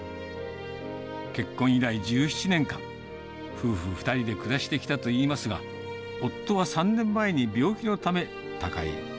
結婚以来１７年間、夫婦２人で暮らしてきたといいますが、夫は３年前に病気のため、他界。